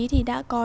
thì đã có